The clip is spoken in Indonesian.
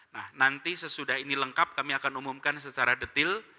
nah nanti sesudah ini lengkap kami akan umumkan secara detil